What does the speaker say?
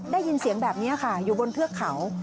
ได้ยินเสียงแบบนี้ค่ะอยู่บนเทือกเขา